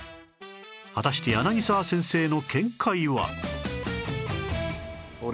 果たして柳沢先生の見解は？